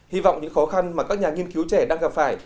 hy vọng những khó khăn mà các nhà nghiên cứu trẻ đang gặp phải